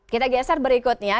kita geser berikutnya